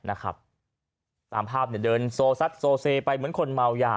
ตามภาพเดินโซซัดโซเซไปเหมือนคนเมายา